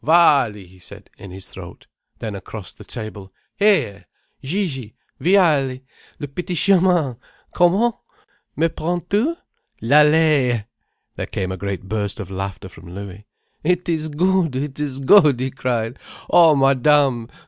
"Vaali!" he said, in his throat. Then across the table "Hé, Gigi—Viale! Le Petit Chemin! Comment? Me prends tu? L'allée—" There came a great burst of laughter from Louis. "It is good, it is good!" he cried. "Oh Madame!